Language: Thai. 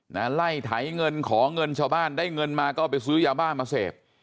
ไล่ไถเงินขอเงินชาวบ้านได้เงินมาก็เอาไปซื้อยาบ้ามาเสพ